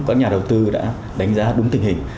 các nhà đầu tư đã đánh giá đúng tình hình